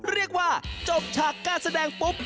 เรียกว่าจบฉากการแสดงปุ๊บ